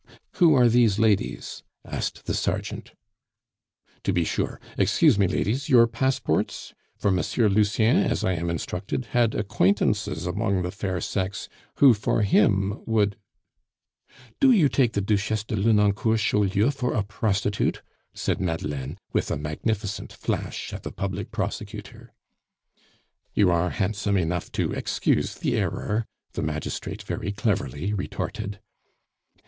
"Who are these ladies?" asked the sergeant. "To be sure. Excuse me, ladies your passports? For Monsieur Lucien, as I am instructed, had acquaintances among the fair sex, who for him would " "Do you take the Duchesse de Lenoncourt Chaulieu for a prostitute?" said Madeleine, with a magnificent flash at the public prosecutor. "You are handsome enough to excuse the error," the magistrate very cleverly retorted.